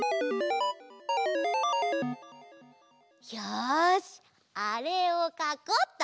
よしあれをかこうっと！